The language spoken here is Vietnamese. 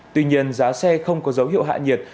tuy nhiên giá xe không có dấu hiệu hạ nhiệt